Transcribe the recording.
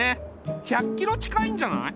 １００キロ近いんじゃない？